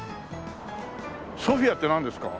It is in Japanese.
ソフィアってなんですか？